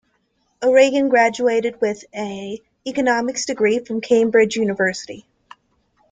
O'Regan graduated with an economics degree from Cambridge University.